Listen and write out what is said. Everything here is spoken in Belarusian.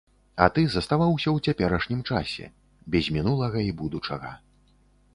А ты заставаўся ў цяперашнім часе, без мінулага і будучага.